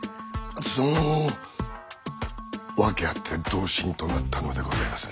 その訳あって同心となったのでございます。